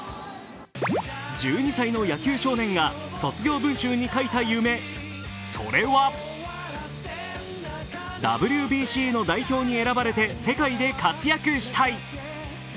１２歳の野球少年が卒業文集に書いた夢、それはＷＢＣの代表に選ばれて世界で活躍したい。